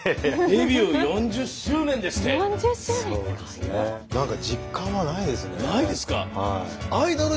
デビュー４０周年ですって！